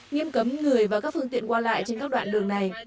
nghiêm cấm người và các phương tiện qua lại trên các đoạn đường này